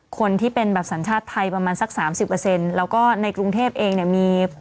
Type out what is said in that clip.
คนที่เป็นสัญชาติไทยประมาณสัก๓๐แล้วก็ในกรุงเทพฯเองมี